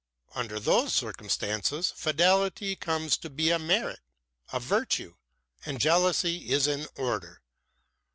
Under those circumstances fidelity comes to be a merit, a virtue, and jealousy is in order.